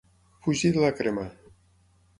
Fugir de la crema.